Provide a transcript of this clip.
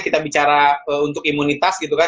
kita bicara untuk imunitas gitu kan